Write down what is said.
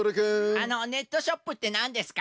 あのネットショップってなんですか？